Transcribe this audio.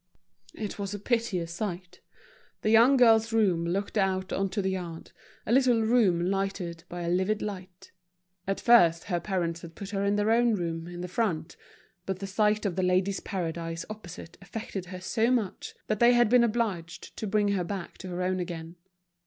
It was a piteous sight. The young girl's room looked out on to the yard, a little room lighted by a livid light. At first her parents had put her in their own room, in the front; but the sight of The Ladies' Paradise opposite affected her so much, that they had been obliged to bring her back to her own again.